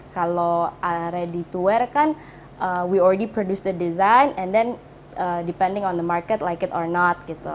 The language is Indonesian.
kalau ready to wear kan kita sudah memproduksi desainnya dan kemudian bergantung pada pasar suka atau tidak gitu